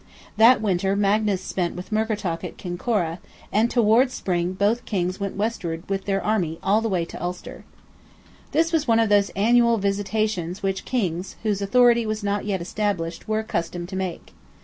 That winter Magnus spent with Murkertach at Kinkora, and "towards spring both kings went westward with their army all the way to Ulster." This was one of those annual visitations which kings, whose authority was not yet established, were accustomed to make.